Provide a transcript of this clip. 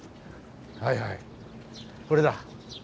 はいはいこれだ。